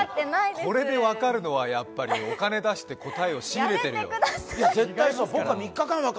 これで分かるのはお金を出して答えを仕入れてるとしか。